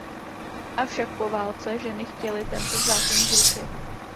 Avšak po válce ženy chtěly tento zákon zrušit.